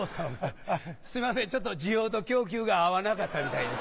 すいませんちょっと需要と供給が合わなかったみたいで。